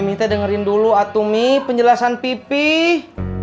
minta dengerin dulu atumi penjelasan pipih